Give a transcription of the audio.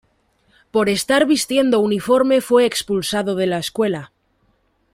Por estar vistiendo uniforme fue expulsado de la Escuela.